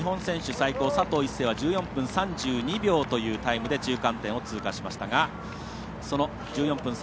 最高、佐藤一世は１４分３２秒というタイムで中間点を通過しました。